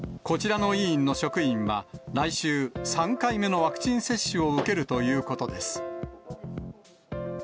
こちらの医院の職員は、来週、３回目のワクチン接種を受けるということです。